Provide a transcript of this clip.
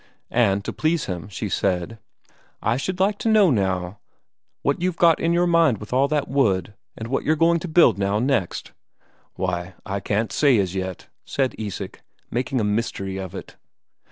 And to please him, she said: "I should just like to know, now, what you've got in your mind with all that wood, and what you're going to build, now, next?" "Why, I can't say as yet," said Isak, making a mystery of it.